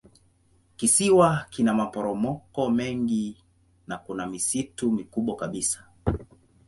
Kisiwa kina maporomoko mengi na kuna misitu mikubwa kabisa.